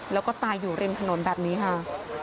แล้วก็ตายอยู่ริมถนนแบบนี้ค่ะ